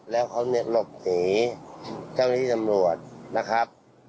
แล้วเขาเนี่ยหลบหนีเจ้าหน้าที่ตำรวจนะครับ